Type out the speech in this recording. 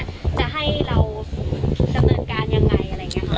จะให้เราดำเนินการยังไงอะไรอย่างนี้ค่ะ